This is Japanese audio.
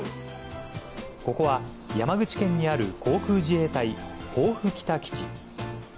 ここは山口県にある航空自衛隊防府北基地。